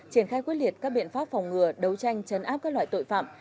triển khai quyết liệt các biện pháp phòng ngừa đấu tranh chấn áp các loại tội phạm